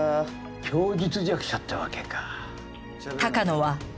供述弱者ってわけか。